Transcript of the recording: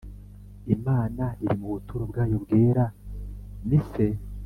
Imana iri mu buturo bwayo bwera Ni se